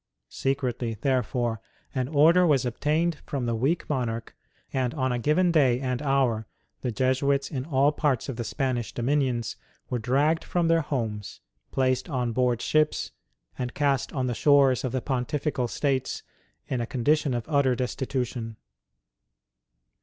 Secretly, therefore, an order was obtained from the weak Monarch, and on a given day and hour the Jesuits in all parts of the Spanish dominions were dragged from their homes, placed on board ships, and cast on the shores of the Pontifical States in a condition of utter destitution.